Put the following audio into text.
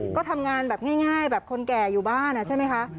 ก็ทำงานแบบง่ายแบบคนแก่อยู่บ้านใช่ไหมคะ